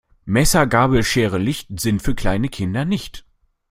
Messer, Gabel, Schere, Licht, sind für kleine Kinder nicht.